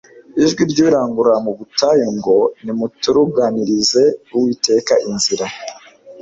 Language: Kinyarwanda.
Ijwi ry'urangurura mu butayu ngo nimuturuganirize Uwiteka inzira!